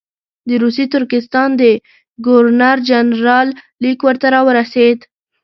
د روسي ترکستان د ګورنر جنرال لیک ورته راورسېد.